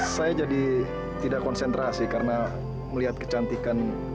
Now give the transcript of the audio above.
saya jadi tidak konsentrasi karena melihat kecantikan